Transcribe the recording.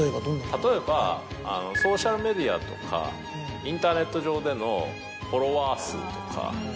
例えばソーシャルメディアとかインターネット上でのフォロワー数とか。